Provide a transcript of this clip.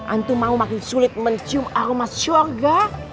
antum mau makin sulit mencium aroma sorga